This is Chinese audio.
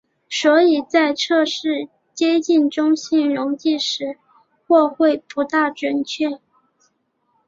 所以在测试接近中性的溶剂时或会不大准确。